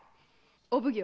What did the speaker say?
お奉行。